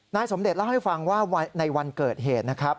สมเด็จเล่าให้ฟังว่าในวันเกิดเหตุนะครับ